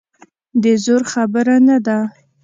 د زور خبره نه ده.